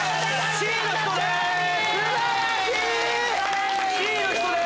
Ｃの人です！